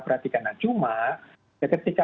perhatikan cuma ketika